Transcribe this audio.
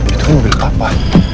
itu mobil ke apa